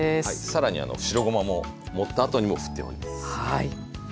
更に白ごまも盛ったあとにもふっております。